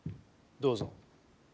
どうぞ。